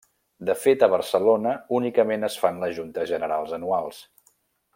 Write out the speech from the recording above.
De fet a Barcelona únicament es fan les juntes generals anuals.